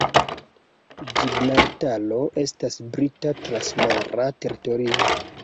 Ĝibraltaro estas Brita transmara teritorio.